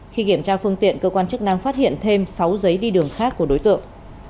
khi kiểm tra phương tiện cơ quan chức năng phát hiện thêm sáu giấy đi đường khác của đối tượng